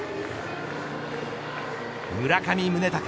村上宗隆